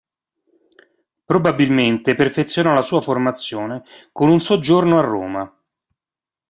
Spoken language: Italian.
Probabilmente perfezionò la sua formazione con un soggiorno a Roma.